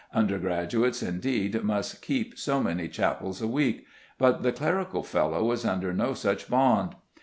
Undergraduates indeed must "keep" so many chapels a week, but the clerical fellow is under no such bond.